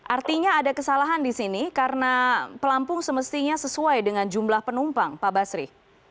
artinya ada kesalahan di sini karena pelampung semestinya sesuai dengan jumlah penumpang pak basri